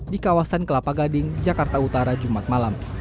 di kawasan kelapa gading jakarta utara jumat malam